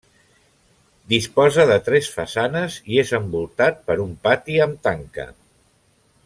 Disposa de tres façanes i és envoltat per un pati amb tanca.